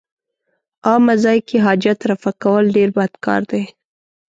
عامه ځای کې حاجت رفع کول ډېر بد کار دی.